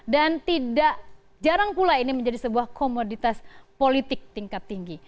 dan jarang pula ini menjadi sebuah komoditas politik tingkat tinggi